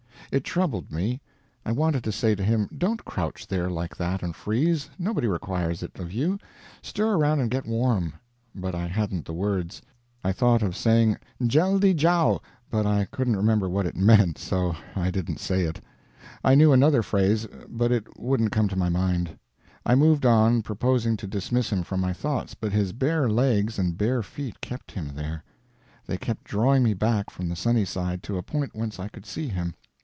It troubled me. I wanted to say to him, "Don't crouch there like that and freeze; nobody requires it of you; stir around and get warm." But I hadn't the words. I thought of saying 'jeldy jow', but I couldn't remember what it meant, so I didn't say it. I knew another phrase, but it wouldn't come to my mind. I moved on, purposing to dismiss him from my thoughts, but his bare legs and bare feet kept him there. They kept drawing me back from the sunny side to a point whence I could see him.